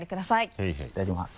へいへいいただきます。